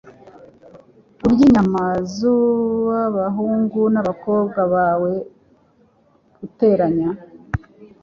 urye inyama z'abahungu n'abakobwa bawe+